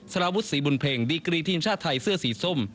สารวุฒิศรีบุญเพ็งดีกรีทีมชาติไทยเสื้อสีส้ม